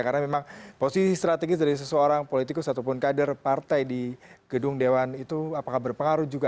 karena memang posisi strategis dari seseorang politikus ataupun kader partai di gedung dewan itu apakah berpengaruh juga